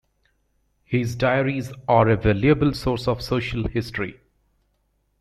His diaries are a valuable source of social history.